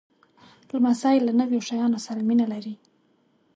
لمسی له نویو شیانو سره مینه لري.